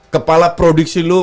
kepala produksi lu